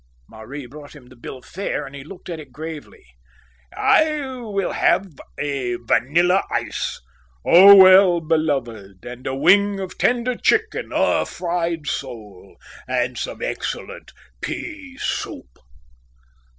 Marie brought him the bill of fare, and he looked at it gravely. "I will have a vanilla ice, O well beloved, and a wing of a tender chicken, a fried sole, and some excellent pea soup."